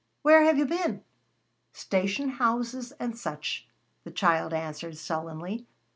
"Where have you been?" "Station houses and such," the child answered sullenly.